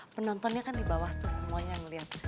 penontonnya kan di bawah tuh semuanya yang liat